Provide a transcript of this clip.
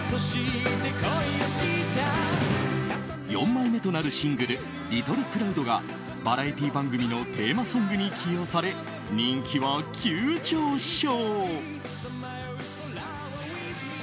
４枚目となるシングル「ｌｉｔｔｌｅｃｌｏｕｄ」がバラエティー番組のテーマソングに起用され人気は急上昇。